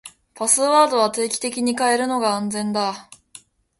パスワードは定期的に変えるのが安全だ。